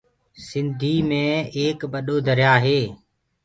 سنڌي مي ايڪ ٻڏو دريآ هي۔